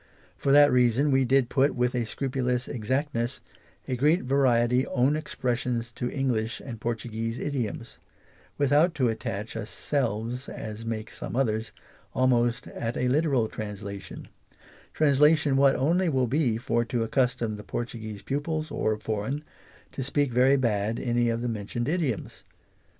For that reason we did put, with a scrupulous exactness, a great variety own expressions to english and Portuguese idioms ; without to attach us selves (as make some others) almost at a literal translation; translation what only will be for to accustom the portu guese pupils, or foreign, to speak very bad any of the mentioned idioms.